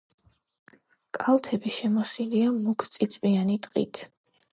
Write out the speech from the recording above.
კალთები შემოსილია მუქწიწვიანი ტყით.